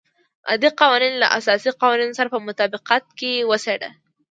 عادي قوانین له اساسي قوانینو سره په مطابقت کې وڅېړي.